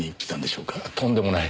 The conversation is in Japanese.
とんでもない。